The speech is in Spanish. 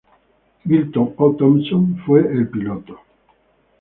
Milton O. Thompson fue el piloto.